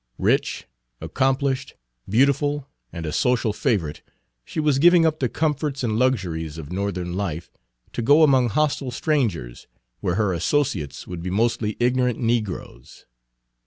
Rich, accomplished, beautiful, and a social favorite, she was giving up the comforts and luxuries of Northern life to go among hostile strangers, where her associates would be mostly ignorant negroes.